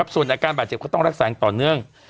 ส่วนอาการบาดเจ็บก็ต้องรักษาอย่างต่อเนื่อง